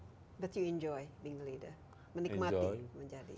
but you enjoy being a leader menikmati menjadi